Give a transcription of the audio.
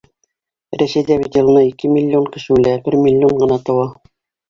Рәсәйҙә бит йылына ике миллион кеше үлә, бер миллион ғына тыуа.